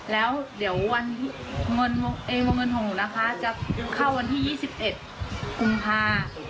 แล้วเดี๋ยววันเงินของหนูนะคะจะเข้าวันที่๒๑กุมภา